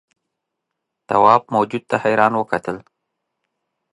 تواب موجود ته حیران وکتل.